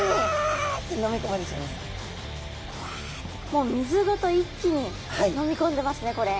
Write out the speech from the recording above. もう水ごと一気に飲みこんでますねこれ。